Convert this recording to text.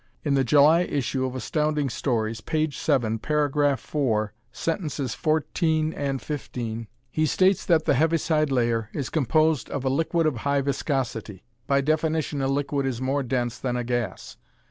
In the July issue of Astounding Stories, page seven, paragraph four, sentences fourteen and fifteen, he states that the Heaviside Layer is composed of a liquid of high viscosity. By definition a liquid is more dense than a gas.